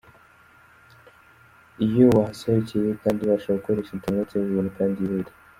Iyo wahasohokeye kandi ubasha gukoresha interineti y'ubuntu kandi yihuta.